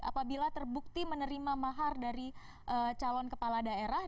apabila terbukti menerima mahar dari calon kepala daerah